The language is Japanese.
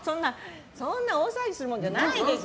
そんな大騒ぎするものじゃないです。